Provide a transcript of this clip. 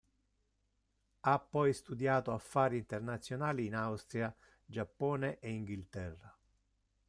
Ha poi studiato affari internazionali in Austria, Giappone e Inghilterra.